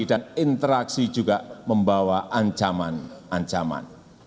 dan interaksi juga membawa ancaman ancaman